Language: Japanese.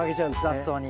雑草に。